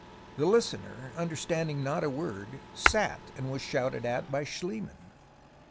The listener, understanding not a word, sat and was shouted at by Schliemann.